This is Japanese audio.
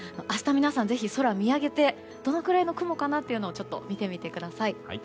明日、ぜひ皆さん空を見上げてどのくらいの雲かなとちょっと見てみてください。